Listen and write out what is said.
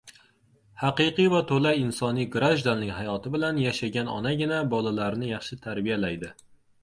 Haqiqiy va to‘la insoniy grajdanlik hayoti bilan yashagan onagina bolalarni yaxshi tarbiyalaydi